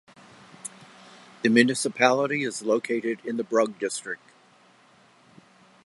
The municipality is located in the Brugg district.